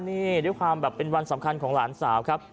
นี่ด้วยความแบบเป็นวันสำคัญของหลานสาวครับ